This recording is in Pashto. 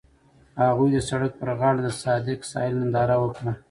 هغوی د سړک پر غاړه د صادق ساحل ننداره وکړه.